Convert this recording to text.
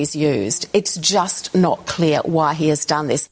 itu tidak jelas mengapa dia melakukan ini